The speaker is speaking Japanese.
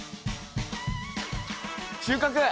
収穫！